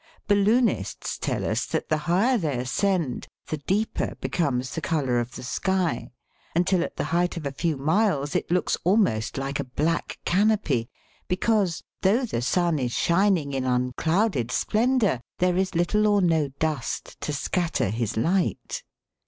Balloonists tell us that the higher they ascend the deeper becomes the colour of the sky, until at the height of a few miles it looks almost like a black canopy, because, though the sun is shining in unclouded splendour, there is little or no dust to scatter his light.